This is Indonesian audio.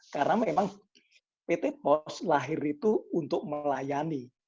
karena memang pt post lahir itu untuk melayani